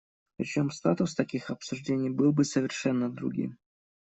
Причем статус таких обсуждений был бы совершенно другим.